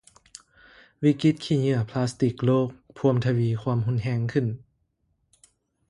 ວິກິດຂີ້ເຫຍື້ອພລາສຕິກໂລກພວມທະວີຄວາມຮຸນແຮງຂຶ້ນ